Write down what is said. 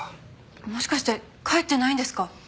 もしかして帰ってないんですか？